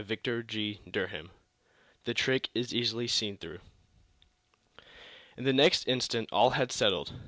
CHAPTER XIII THE TRICK IS EASILY SEEN THROUGH In the next instant all had settled.